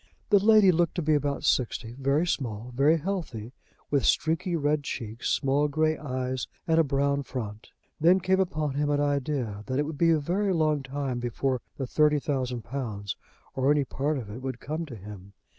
The lady looked to be about sixty; very small, very healthy, with streaky red cheeks, small grey eyes, and a brown front. Then came upon him an idea, that it would be a very long time before the thirty thousand pounds, or any part of it, would come to him.